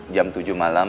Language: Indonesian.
jam tujuh malam